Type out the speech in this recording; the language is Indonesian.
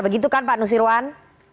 begitu kan pak nusirwan